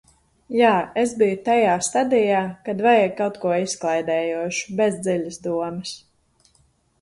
Jā, es biju tajā stadijā, kad vajag kaut ko izklaidējošu, bez dziļas domas.